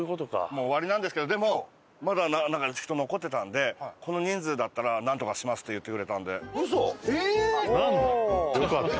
もう終わりなんですけどでもまだ中に人残ってたのでこの人数だったらなんとかしますって言ってくれたんで。